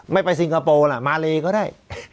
ไปซิงคโปร์ล่ะมาเลก็ได้